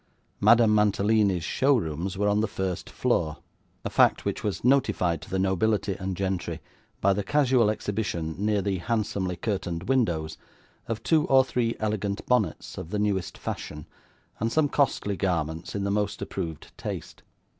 Madame Mantalini's shows rooms were on the first floor: a fact which was notified to the nobility and gentry by the casual exhibition, near the handsomely curtained windows, of two or three elegant bonnets of the newest fashion, and some costly garments in the most approved taste.